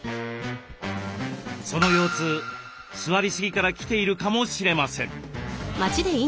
その腰痛座りすぎから来ているかもしれません。